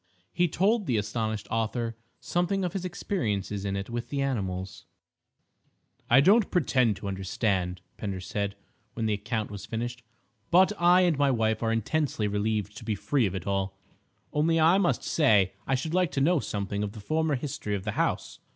He told the astonished author something of his experiences in it with the animals. "I don't pretend to understand," Pender said, when the account was finished, "but I and my wife are intensely relieved to be free of it all. Only I must say I should like to know something of the former history of the house.